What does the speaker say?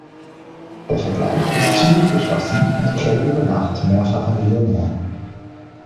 Der Vergleich ist zügig geschlossen und Clay über Nacht mehrfacher Millionär.